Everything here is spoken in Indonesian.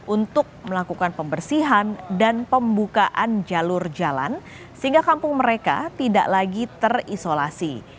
untuk melakukan pembersihan dan pembukaan jalur jalan sehingga kampung mereka tidak lagi terisolasi